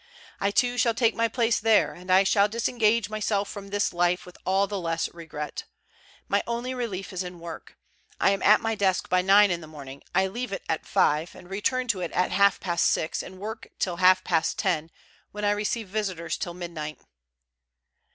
I too shall take my place there, and I shall disengage myself from this life with all the less regret. My only relief is in work. I am at my desk by nine in the morning. I leave it at five, and return to it at half past six, and work till half past ten, when I receive visitors till midnight."